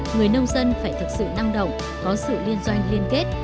người nông dân phải thực sự năng động có sự liên doanh liên kết